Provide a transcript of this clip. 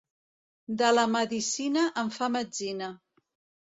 De la medicina en fa metzina.